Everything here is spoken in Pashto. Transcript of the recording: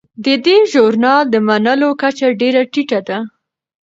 د دې ژورنال د منلو کچه ډیره ټیټه ده.